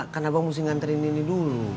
kan abang mesti nganterin ini dulu